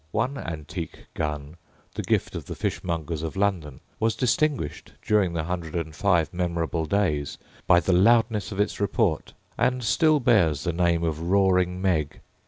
One antique gun, the gift of the Fishmongers of London, was distinguished, during the hundred and five memorable days, by the loudness of its report, and still bears the name of Roaring Meg.